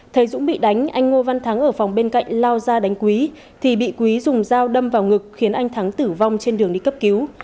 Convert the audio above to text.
thấy dũng bị đánh anh ngô văn thắng ở phòng bên cạnh lao ra đánh quý thì bị quý dùng dao đâm vào ngực khiến anh thắng tử vong trên đường đi cấp cứu